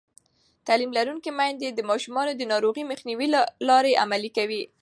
تعلیم لرونکې میندې د ماشومانو د ناروغۍ مخنیوي لارې عملي کوي.